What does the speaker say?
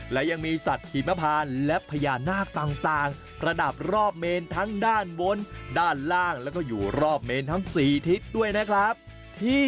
และสัตว์หิมพานพญานาคต่างประดับรอบเมนทั้งด้านบนและรอบเมนทั้ง๔ทิศ